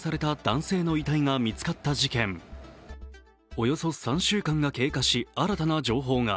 およそ３週間が経過し、新たな情報が。